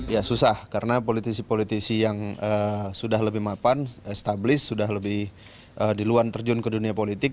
ya susah karena politisi politisi yang sudah lebih mapan established sudah lebih duluan terjun ke dunia politik